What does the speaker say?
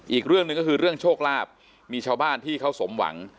อีกเรื่องหนึ่งก็คือเรื่องโชคลาภมีชาวบ้านที่เขาสมหวัง